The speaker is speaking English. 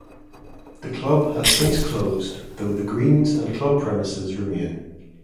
The Club has since closed, though the greens and Club premises remain.